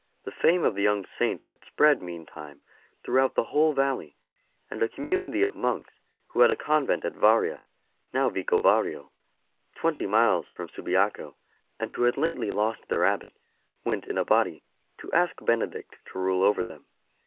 The fame of the young Saint had spread 38 ST. BENEDICT meantime throughout the whole valley, and a community of monks who had a convent at Varia, now Vicovaro, twenty miles from Subiaco, and who had lately lost their Abbot, went in a body to ask Benedict to rule over them.